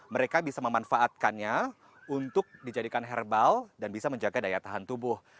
mereka bisa memanfaatkannya untuk dijadikan herbal dan bisa menjaga daya tahan tubuh